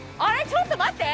ちょっと待って。